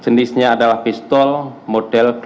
jenisnya adalah pistol model pistol dan waste gun